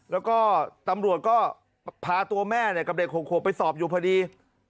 แล้วก็ตำรวจก็พาตัวแม่กับเด็ก๖ขวบไปสอบอยู่พอดี